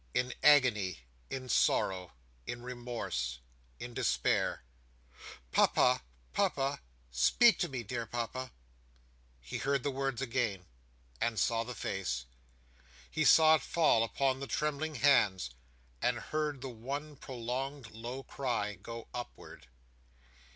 In agony, in sorrow, in remorse, in despair! "Papa! Papa! Speak to me, dear Papa!" He heard the words again, and saw the face. He saw it fall upon the trembling hands, and heard the one prolonged low cry go upward.